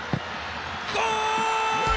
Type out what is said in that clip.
ゴール！